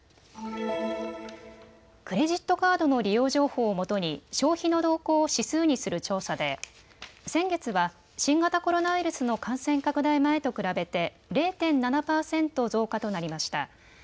クレジットカードの利用情報をもとに消費の動向を指数にする調査で先月は新型コロナウイルスの感染拡大前と比べて０．７％増加となりました。